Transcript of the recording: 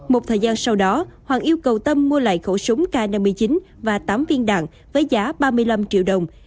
một thời gian sau đó hoàng yêu cầu tâm mua lại khẩu súng k năm mươi chín và tám viên đạn với giá ba mươi năm triệu đồng